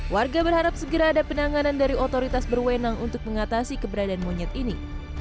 warga berharap segera ada penanganan dari otoritas berwenang untuk mengatasi keberadaan monyet ini